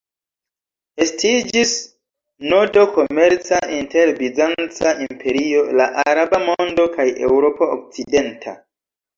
Estiĝis nodo komerca inter Bizanca imperio, la araba mondo kaj Eŭropo okcidenta.